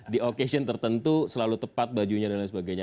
di occasion tertentu selalu tepat bajunya dan lain sebagainya